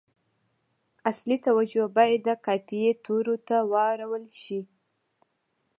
اصلي توجه باید د قافیې تورو ته واړول شي.